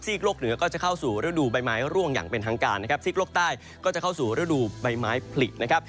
โลกเหนือก็จะเข้าสู่ฤดูใบไม้ร่วงอย่างเป็นทางการนะครับซีกโลกใต้ก็จะเข้าสู่ฤดูใบไม้ผลินะครับ